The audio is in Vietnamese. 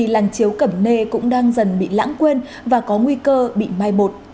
làng chiếu cẩm nê cũng đang dần bị lãng quên và có nguy cơ bị mai bột